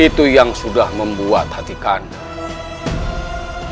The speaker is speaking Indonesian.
itu yang sudah membuat hati kami